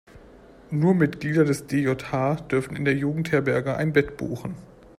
Nur Mitglieder des DJH dürfen in der Jugendherberge ein Bett buchen.